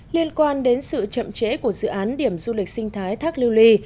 liên quan đến sự chậm trễ của dự án điểm du lịch sinh thái thác lưu ly